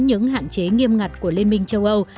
những hạn chế nghiêm ngặt của liên minh châu âu